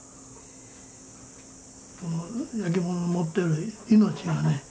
この焼き物が持ってる命がね